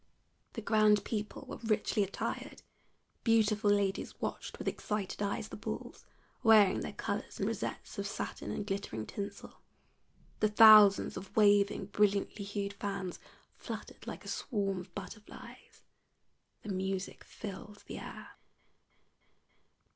The grand people were richly attired; beautiful ladies watched with excited eyes the bulls, wearing their colors in rosettes of satin and glittering tinsel; the thousands of waving, brilliantly hued fans fluttered like a swarm of butterflies; the music filled the air.